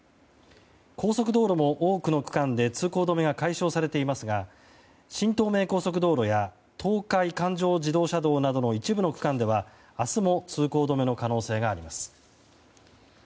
高速道路も多くの区間で通行止めが解消されていますが新東名高速道路や東海環状自動車道などの一部の区間では明日も通行止めの可能性があります。